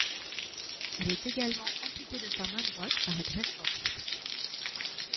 Il est également amputé de sa main droite par Gray Fox.